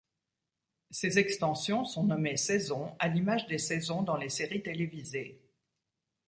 Ces extensions sont nommées saisons à l'image des saisons dans les séries télévisées.